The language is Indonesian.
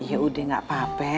yaudah gak apa apa